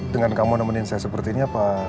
dengan kamu nemenin saya seperti ini apa